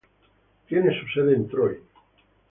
Tiene su sede en Troy.